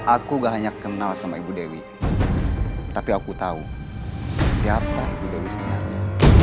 aku gak hanya kenal sama ibu dewi tapi aku tahu siapa ibu dewi sebenarnya